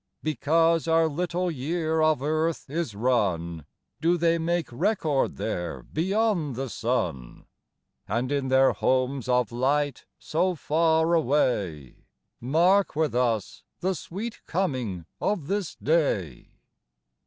Because our little year of earth is run, Do they make record there beyond the sun ? And, in their homes of light so far away, Mark with us the sweet coming of this day